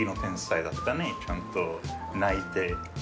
ちゃんと泣いて。